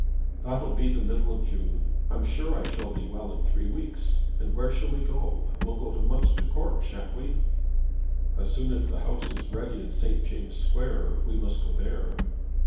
"That'll be the middle of June. I'm sure I shall be well in three weeks. And where shall we go? We'll go to Munster Court, shan't we?" "As soon as the house is ready in St. James' Square, we must go there."